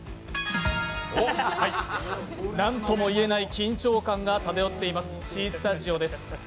なんとも言えない緊張感が漂っています、Ｃスタジオです。